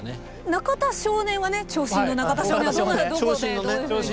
中田少年はね長身の中田少年はどこでどういうふうに。